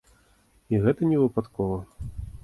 І гэта не выпадкова.